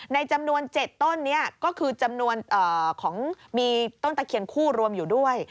ในจำนวน๗ต้นนี้ก็คือจำนวนของมีต้นตะเคียนคู่รวมอยู่ด้วย